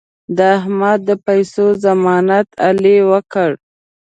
د احمد د پیسو ضمانت علي وکړ.